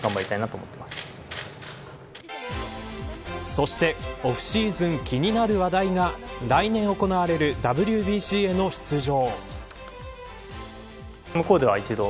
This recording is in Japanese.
そしてオフシーズン気になる話題が来年行われるＷＢＣへの出場。